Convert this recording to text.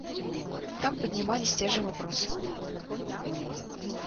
Там поднимались те же вопросы.